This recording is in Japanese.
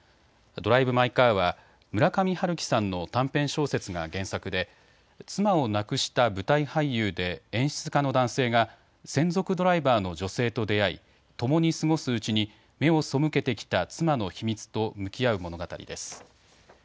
ドライブ・マイ・カーは村上春樹さんの短編小説が原作で妻を亡くした舞台俳優で演出家の男性が専属ドライバーの女性と出会い、共に過ごすうちに目を背けてきた妻の秘密と向き合う物語です。